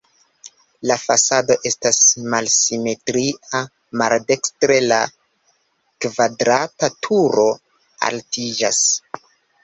La fasado estas malsimetria, maldekstre la kvadrata turo altiĝas.